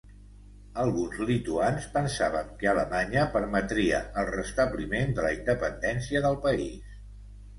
Alguns lituans pensaven que Alemanya permetria el restabliment de la independència del país.